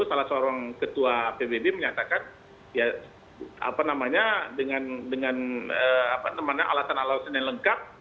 salah seorang ketua pbb menyatakan ya apa namanya dengan alasan alasan yang lengkap